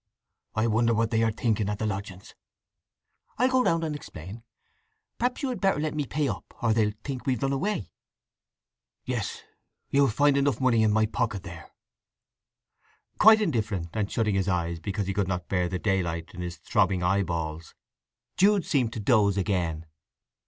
"I wonder what they are thinking at the lodgings!" "I'll go round and explain. Perhaps you had better let me pay up, or they'll think we've run away?" "Yes. You'll find enough money in my pocket there." Quite indifferent, and shutting his eyes because he could not bear the daylight in his throbbing eye balls, Jude seemed to doze again.